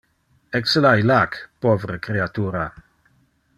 Ecce la illac, povre creatura!